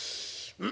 「うん。